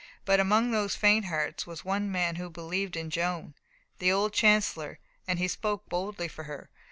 But among those faint hearts was one man who believed in Joan the old chancellor and he spoke boldly for her.